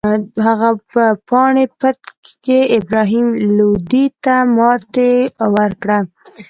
هغه په پاني پت کې ابراهیم لودي ته ماتې ورکړه.